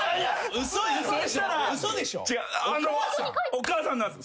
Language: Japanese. お母さんなんす。